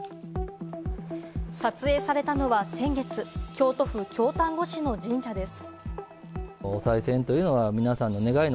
撮影されたのは先月、京都府京丹後市の神社です。